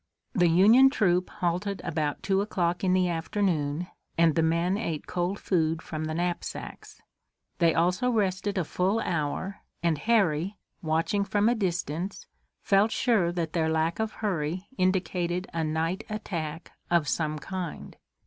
The Union troop halted about two o'clock in the afternoon, and the men ate cold food from the knapsacks. They also rested a full hour, and Harry, watching from a distance, felt sure that their lack of hurry indicated a night attack of some kind.